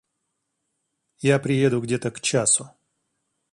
Я приеду где-то к часу.